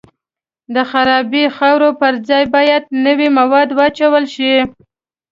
د خرابې خاورې پر ځای باید نوي مواد واچول شي